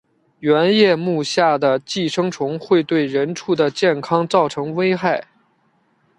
圆叶目下的寄生虫会对人畜的健康造成危害。